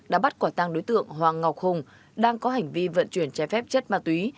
đã bắt quả tăng đối tượng hoàng ngọc hùng đang có hành vi vận chuyển trái phép chất ma túy